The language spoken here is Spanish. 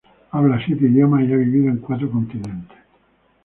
Habla siete idiomas y ha vivido en cuatro continentes.